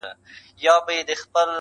زما جانان وې زما جانان یې جانانه یې,